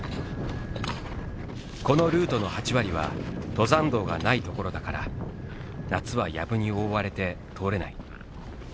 このルートの８割は登山道がない所だから夏はやぶに覆われて通れない。